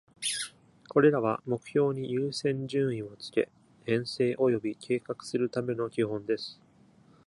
これらは、目標に優先順位を付け、編成および計画するための基本です。